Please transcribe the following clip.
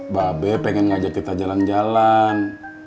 babe pengen ngajak kita jalan jalan